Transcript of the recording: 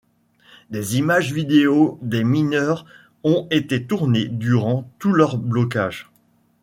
Des images vidéo des mineurs ont été tournées durant tout leur blocage.